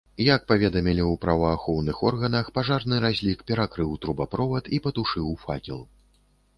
Як паведамілі ў праваахоўных органах, пажарны разлік перакрыў трубаправод і патушыў факел.